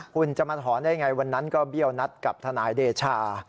คุณจะมาถอนได้ไงวันนั้นก็เบี้ยวนัดกับทนายเดชา